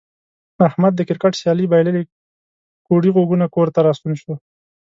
احمد د کرکټ سیالي بایللې کوړی غوږونه کور ته راستون شو.